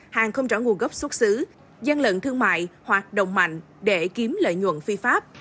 hàng không rõ nguồn gốc xuất xứ dân lận thương mại hoặc đồng mạnh để kiếm lợi nhuận phi pháp